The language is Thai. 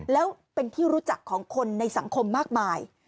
แล้วเป็นที่รู้จักของคนในสังคมมากมาย